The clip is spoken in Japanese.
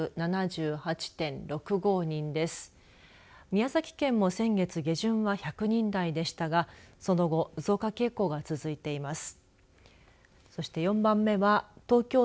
宮崎県も先月下旬は１００人台でしたがその後増加傾向が続いています。